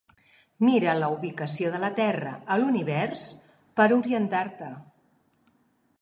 Mira la ubicació de la Terra a l'univers per a orientar-te.